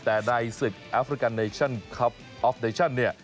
แต่ในศึกแอฟริกันเนชั่นคลับออฟเดชั่นเนี่ย